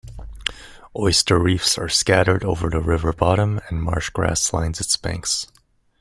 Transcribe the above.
Oyster reefs are scattered over the river bottom, and marsh grass lines its banks.